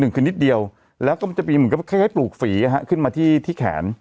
ขึ้นนิดเดียวแล้วก็มันจะมีเหมือนกับคล้ายปลูกฝีขึ้นมาที่ที่แขน